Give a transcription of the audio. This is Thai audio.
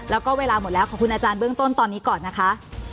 แล้วก็เวลาหมดแล้วขอบคุณอาจารย์เบื้องต้นตอนนี้ก่อนนะคะ